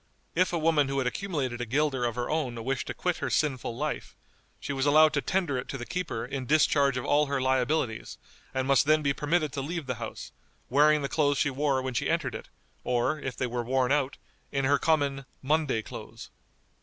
If a woman who had accumulated a guilder of her own wished to quit her sinful life, she was allowed to tender it to the keeper in discharge of all her liabilities, and must then be permitted to leave the house, wearing the clothes she wore when she entered it, or, if they were worn out, in her common "Monday clothes."